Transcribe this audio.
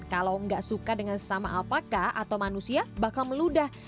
kalau nggak suka dengan sesama alpaka atau manusia bakal meludah